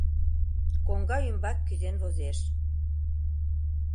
Коҥга ӱмбак кӱзен возеш.